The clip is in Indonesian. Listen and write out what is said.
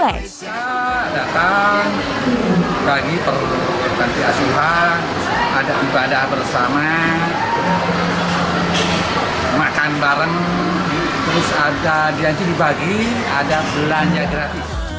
bisa datang bagi perhubungan panti asuhan ada ibadah bersama makan bareng terus ada dirancu dibagi ada belanja gratis